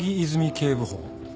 警部補。